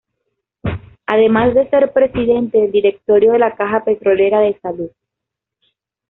Además de ser presidente del directorio de la Caja Petrolera de Salud.